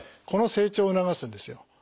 この成長を促すんですよ。